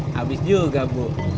habis juga bu